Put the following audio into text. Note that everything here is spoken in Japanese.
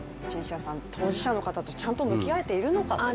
当事者の方とちゃんと向き合えているのかと。